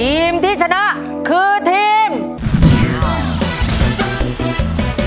ทีมที่ชนะคือทีม